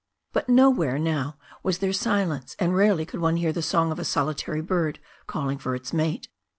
But nowhere now was there silence, and rarely could one hear the song of a solitary bird calling for its mate.